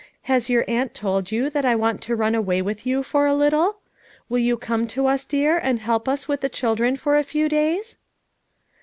Has your aunt told you that I want to run away with you for a little? Will you come to us, dear, and help us with the children for a few days?"